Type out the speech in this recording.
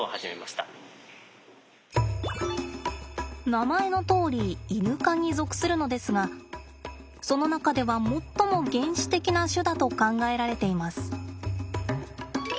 名前のとおりイヌ科に属するのですがその中では最も原始的な種だと考えられています。